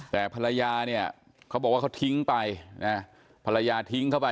แต่ภรรยาเนี่ยเขาบอกว่าเขาทิ้งไปนะภรรยาทิ้งเข้าไป